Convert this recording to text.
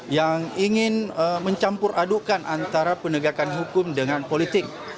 yang ingin mencampur adukan antara penegakan hukum dengan politik